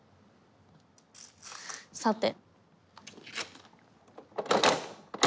さて。